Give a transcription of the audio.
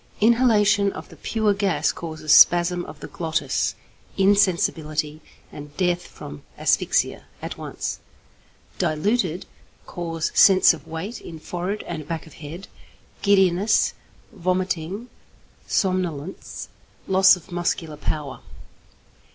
_ Inhalation of the pure gas causes spasm of the glottis, insensibility, and death from asphyxia, at once; diluted, causes sense of weight in forehead and back of head, giddiness, vomiting, somnolence, loss of muscular power.